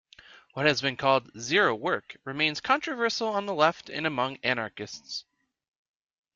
What has been called "zero-work" remains controversial on the left and among anarchists.